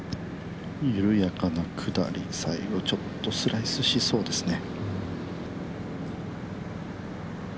緩やかな下り、最後ちょっとスライスしそうですね。